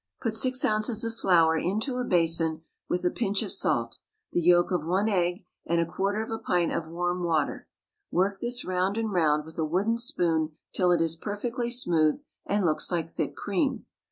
Put six ounces of flour into a basin, with a pinch of salt, the yolk of one egg, and a quarter of a pint of warm water. Work this round and round with a wooden spoon till it is perfectly smooth and looks like thick cream.